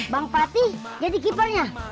bang fatih jadi keepernya